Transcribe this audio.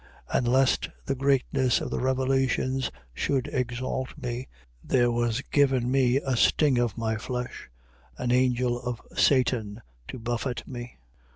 12:7. And lest the greatness of the revelations should exalt me, there was given me a sting of my flesh, an angel of Satan, to buffet me.